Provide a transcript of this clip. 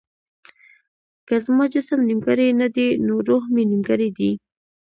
که زما جسم نيمګړی نه دی نو روح مې نيمګړی دی.